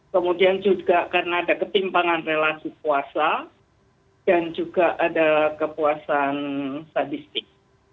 kemudian juga karena ada ketimpangan relasi puasa dan juga ada kepuasan sadistik